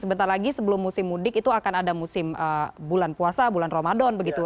sebentar lagi sebelum musim mudik itu akan ada musim bulan puasa bulan ramadan begitu